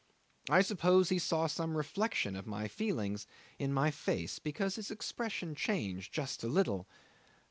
I suppose he saw some reflection of my feelings in my face, because his expression changed just a little.